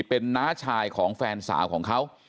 เป็นน้าชายของแฟนสาวของเขา